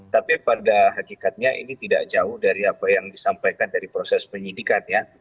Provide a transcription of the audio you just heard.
tapi pada hakikatnya ini tidak jauh dari apa yang disampaikan dari proses penyidikan ya